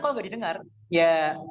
kalau tidak didengar ya